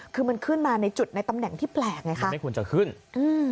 คือมันขึ้นมาในจุดในตำแหน่งที่แปลกไงคะมันไม่ควรจะขึ้นอืม